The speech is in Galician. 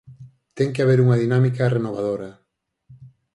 Ten que haber unha dinámica renovadora.